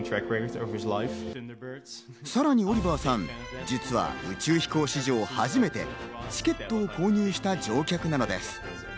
さらにオリバーさん、実は宇宙飛行史上、初めてチケットを購入した乗客なのです。